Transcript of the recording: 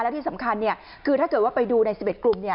และที่สำคัญคือถ้าเกิดว่าไปดูใน๑๑กลุ่ม